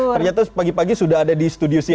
ternyata pagi pagi sudah ada di studio cnn